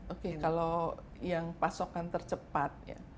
oke kalau yang pasokan tercepat ya